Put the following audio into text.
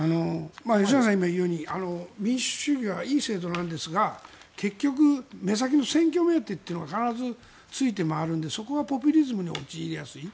吉永さんが今言うように民主主義はいい制度なんですが結局、目先の選挙目当てというのが必ずついて回るのでそこがポピュリズムに陥りやすい。